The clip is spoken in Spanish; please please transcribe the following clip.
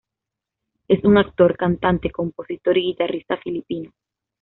Es un actor, cantante, compositor y guitarrista filipino.